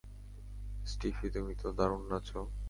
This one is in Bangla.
স্টিফি, তুমি তো দারুণ নাচো।